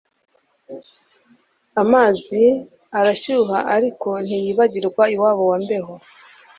amazi arashyuha aliko ntiyibagirrwa iwabo wa mbeho